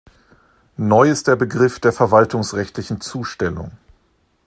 Neu ist der Begriff der verwaltungsrechtlichen Zustellung.